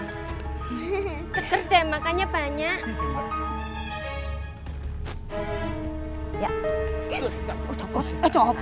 hehehe seger deh makanya banyak